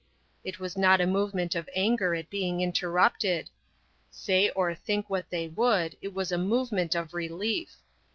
It was not a movement of anger at being interrupted. Say or think what they would, it was a movement of relief.